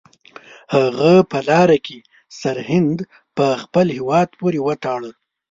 هغه په لاره کې سرهند په خپل هیواد پورې وتاړه.